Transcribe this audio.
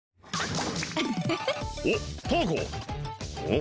ん？